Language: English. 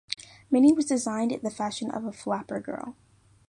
Minnie was designed in the fashion of a "flapper" girl.